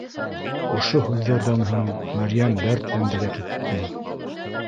Ошо һүҙҙәрҙән һуң Мәрйәм дәртләнде лә китте